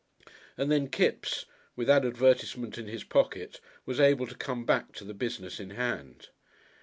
And then Kipps (with that advertisement in his pocket) was able to come back to the business in hand.